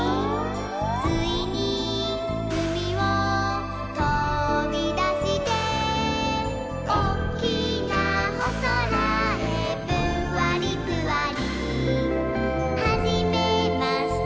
「ついにうみをとびだして」「おっきなおそらへぷんわりぷわり」「はじめまして